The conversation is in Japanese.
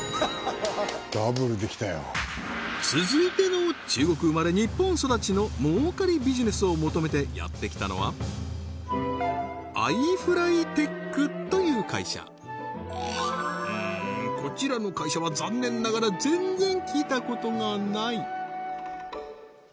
続いての中国生まれ日本育ちの儲かりビジネスを求めてやってきたのはｉＦＬＹＴＥＫという会社うんこちらの会社は残念ながら全然聞いたことがない